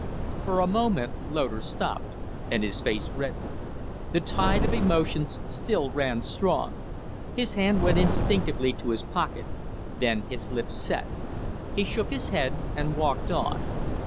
For a moment Loder stopped and his face reddened. The tide of emotions still ran strong. His hand went instinctively to his pocket; then his lips set. He shook his head and walked on.